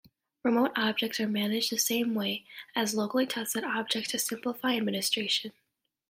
Remote objects are managed the same way as locally tested objects to simplify administration.